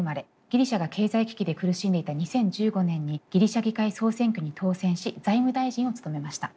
ギリシャが経済危機で苦しんでいた２０１５年にギリシャ議会総選挙に当選し財務大臣を務めました。